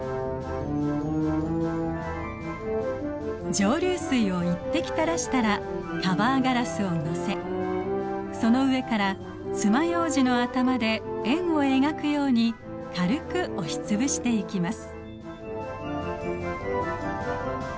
蒸留水を１滴たらしたらカバーガラスをのせその上からつまようじの頭で円を描くように軽く押しつぶしていきます。